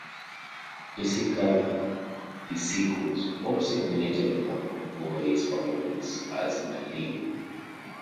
Jessica DiCicco was also nominated for her voice performance as Malina.